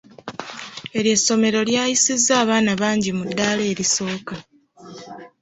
Eryo essomero lyayisizza abaana bangi mu ddaala erisooka.